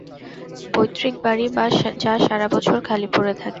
পৈতৃক বাড়ি যা সারাবছর খালি পড়ে থাকে।